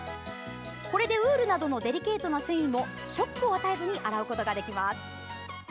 これで、ウールなどのデリケートな繊維もショックを与えずに洗うことができます。